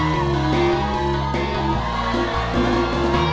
นอนนี้